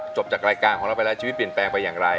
จบจากรายการของเราไปแล้วชีวิตเปลี่ยนแปลงไปอย่างไร